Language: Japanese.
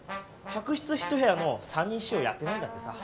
客室１部屋の３人使用やってないんだってさ。